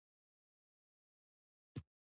هغې د نرم کوڅه په اړه خوږه موسکا هم وکړه.